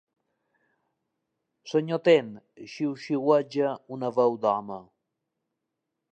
Senyor Ten —xiuxiueja una veu d'home.